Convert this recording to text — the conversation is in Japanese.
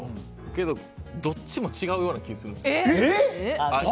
けど、どっちも違うような気もするんです。